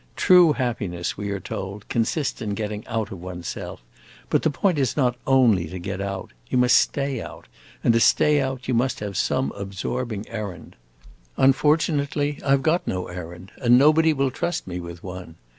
True happiness, we are told, consists in getting out of one's self; but the point is not only to get out you must stay out; and to stay out you must have some absorbing errand. Unfortunately, I 've got no errand, and nobody will trust me with one.